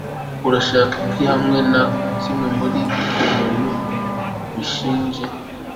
Urashaka iki hamwe na kimwe muri ibyo bintu bishinja